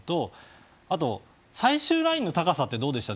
あと、最終ラインの高さってどうでした？